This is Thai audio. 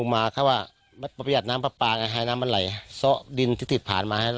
พยาบายน้ำไปฟ้าค้ากันนะฮะ